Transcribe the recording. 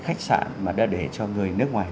khách sạn mà đã để cho người nước ngoài